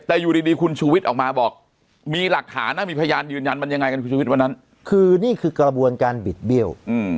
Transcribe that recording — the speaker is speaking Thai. แต่อยู่ดีคุณชูวิทย์ออกมาบอกมีหลักฐานนะมีพยานยืนยันมันยังไงกันคุณชุวิตวันนั้นคือนี่คือกระบวนการบิดเบี้ยว